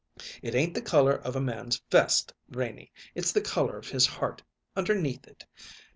It ain't the color of a man's vest, Renie it's the color of his heart, underneath it.